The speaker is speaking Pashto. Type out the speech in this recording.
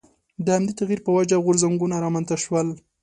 د همدې تغییر په وجه غورځنګونه رامنځته شول.